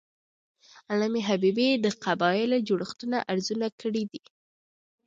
علامه حبیبي د قبایلي جوړښتونو ارزونه کړې ده.